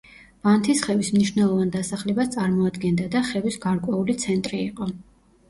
ვანთისხევის მნიშვნელოვან დასახლებას წარმოადგენდა და ხევის გარკვეული ცენტრი იყო.